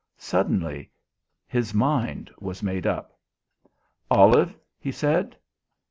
Suddenly, his mind was made up. "Olive," he said.